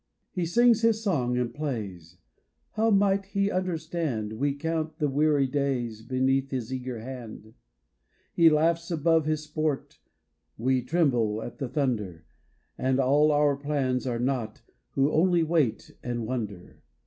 He sings his song and plays How might he understand We count the weary days Beneath his eager hand ? He laughs above his sport, We tremble at the thunder, And all our plans are nought Who only wait and wonder.